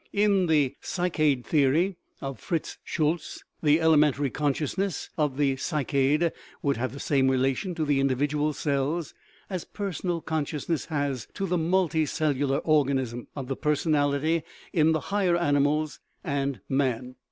In the " psychade theory " of Fritz Schultze the elementary consciousness of the psychade would have the same relation to the individual cells as per sonal consciousness has to the multicellular organism of the personality in the higher animals and man.